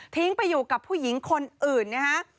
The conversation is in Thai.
ไปอยู่กับผู้หญิงคนอื่นนะฮะ